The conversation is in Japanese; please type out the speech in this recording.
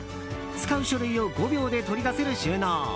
使う書類を５秒で取り出せる収納。